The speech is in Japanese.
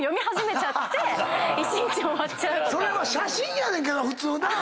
それは写真やねんけど普通な。